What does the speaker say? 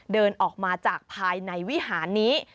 เดินออกมาจากภายในวิหารนี้